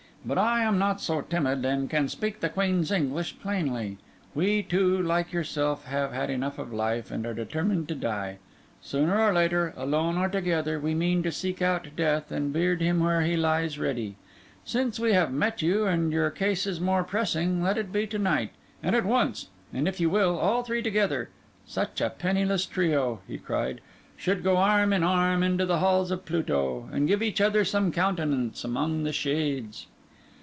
But I am not so timid, and can speak the Queen's English plainly. We too, like yourself, have had enough of life, and are determined to die. Sooner or later, alone or together, we meant to seek out death and beard him where he lies ready. Since we have met you, and your case is more pressing, let it be to night—and at once—and, if you will, all three together. Such a penniless trio," he cried, "should go arm in arm into the halls of Pluto, and give each other some countenance among the shades!"